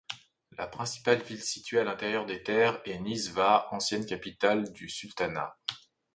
La principale ville située à l'intérieur des terres est Nizwa, ancienne capitale du sultanat.